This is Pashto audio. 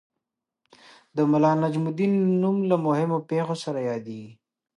د ملا نجم الدین نوم له مهمو پېښو سره یادیږي.